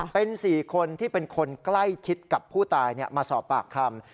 เป็น๔คนที่เป็นคนใกล้ชิดกับผู้ตายมาสอบปากคำ